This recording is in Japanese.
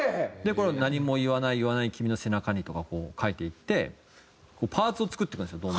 これ「何も言わない言わない君の背中に」とかこう書いていってパーツを作っていくんですよ